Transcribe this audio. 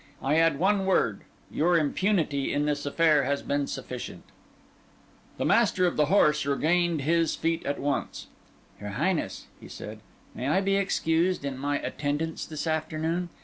I add one word: your importunity in this affair has been sufficient." The Master of the Horse regained his feet at once. "Your Highness," he said, "may I be excused in my attendance this afternoon?